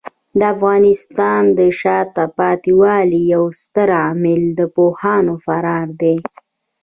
د افغانستان د شاته پاتې والي یو ستر عامل د پوهانو فرار دی.